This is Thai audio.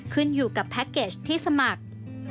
ขึ้นอยู่กับแพ็คเกจที่สมัคร